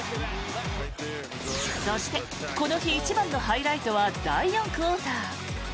そして、この日一番のハイライトは第４クオーター。